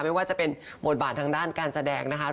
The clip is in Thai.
ไม่ว่าจะเป็นบทบาททางด้านการแสดงนะคะ